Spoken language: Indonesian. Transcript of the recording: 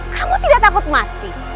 kamu tidak takut mati